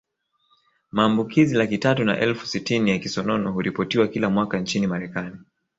Maambukizi laki tatu na elfu sitini ya kisonono huripotiwa kila mwaka nchini Marekani